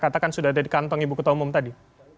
katakan sudah ada di kantong ibu ketua umum tadi